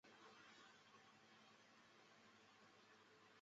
拉贾斯坦邦为印地语的通行范围。